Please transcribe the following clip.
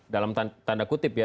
dalam tanda kutip ya